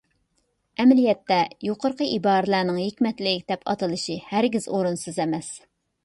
ئەمەلىيەتتە، يۇقىرىقى ئىبارىلەرنىڭ ھېكمەتلىك دەپ ئاتىلىشى ھەرگىز ئورۇنسىز ئەمەس.